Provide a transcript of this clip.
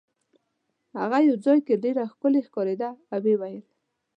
هغه په ځای کې ډېره ښکلې ښکارېده او ویې ویل.